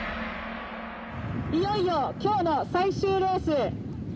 いよいよ今日の最終レース。